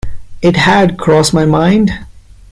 It had crossed my mind.